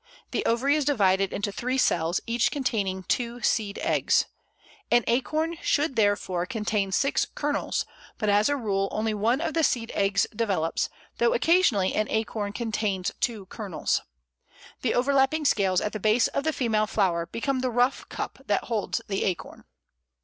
The ovary is divided into three cells, each containing two seed eggs. An acorn should therefore contain six kernels, but, as a rule, only one of the seed eggs develops, though occasionally an acorn contains two kernels. The overlapping scales at the base of the female flower become the rough cup that holds the acorn.